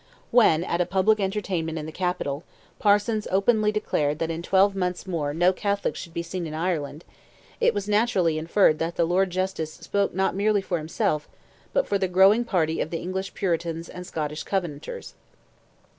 When at a public entertainment in the capital, Parsons openly declared that in twelve months more no Catholics should be seen in Ireland, it was naturally inferred that the Lord Justice spoke not merely for himself but for the growing party of the English Puritans and Scottish Covenanters.